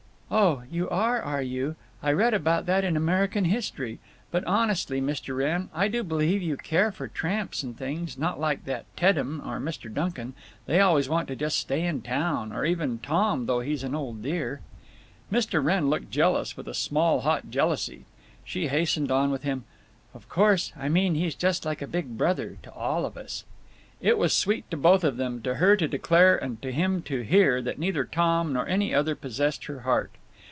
"Oh, you are, are you? I read about that in American history!… But honestly, Mr. Wrenn, I do believe you care for tramps and things—not like that Teddem or Mr. Duncan—they always want to just stay in town—or even Tom, though he's an old dear." Mr. Wrenn looked jealous, with a small hot jealousy. She hastened on with: "Of course, I mean he's just like a big brother. To all of us." It was sweet to both of them, to her to declare and to him to hear, that neither Tom nor any other possessed her heart.